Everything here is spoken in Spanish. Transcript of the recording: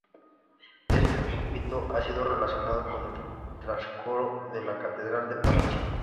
Este púlpito ha sido relacionado con el trascoro de la catedral de Palencia.